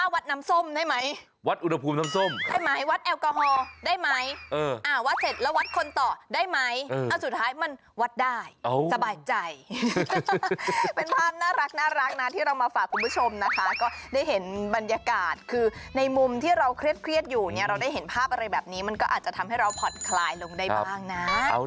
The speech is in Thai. วัดเสร็จแล้ววัดคนต่อได้ไหมสุดท้ายมันวัดได้สบายใจเป็นภาพน่ารักนะที่เรามาฝากคุณผู้ชมนะคะก็ได้เห็นบรรยากาศคือในมุมที่เราเครียดอยู่เนี่ยเราได้เห็นภาพอะไรแบบนี้มันก็อาจจะทำให้เราผอดคลายลงได้บ้างนะ